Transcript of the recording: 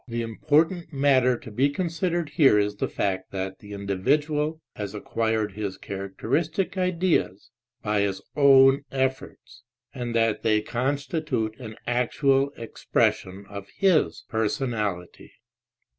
the important matter to be considered here is the fact that the individual has acquired his characteristic ideas by his own efforts, and that they constitute an actual expression of his personality.